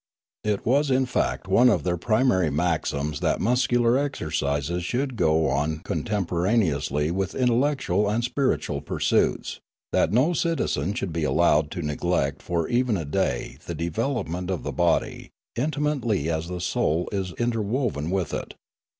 It was in fact one of their primary maxims that muscular exercises should go on contem poraneously with intellectual and spiritual pursuits, that no citizen should be allowed to neglect for even a day the development of the body, intimately as the soul was interwoven with it.